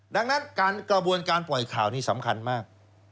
ดังนั้นการกระบวนการปล่อยข่าวนี้สำคัญมาก